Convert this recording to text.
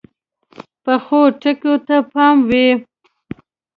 پخو ټکو ته پام وي